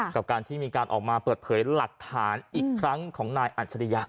กับการที่มีการออกมาเปิดเผยหลักฐานอีกครั้งของนายอัจฉริยะ